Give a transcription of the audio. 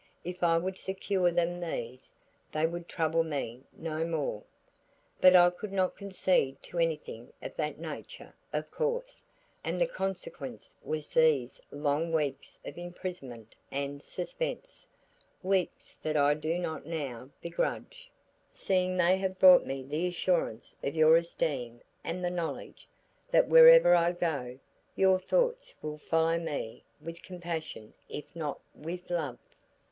If I would secure them these, they would trouble me no more. But I could not concede to anything of that nature, of course, and the consequence was these long weeks of imprisonment and suspense; weeks that I do not now begrudge, seeing they have brought me the assurance of your esteem and the knowledge, that wherever I go, your thoughts will follow me with compassion if not with love."